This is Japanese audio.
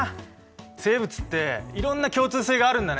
生物っていろんな共通性があるんだね。ね。